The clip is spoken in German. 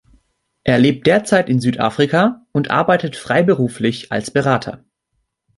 Er lebt derzeit in Südafrika und arbeitet freiberuflich als Berater.